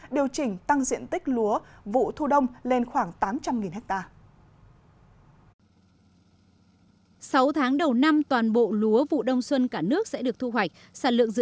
điều chỉnh tăng diện tích lúa vụ thu đông lên khoảng tám trăm linh hectare